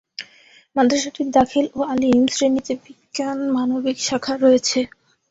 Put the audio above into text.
মাদ্রাসাটির দাখিল ও আলিম শ্রেণীতে বিজ্ঞান, মানবিক শাখা রয়েছে।